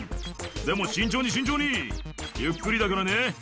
「でも慎重に慎重にゆっくりだからね」